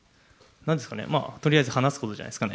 なんですかね、とりあえず話すことじゃないですかね。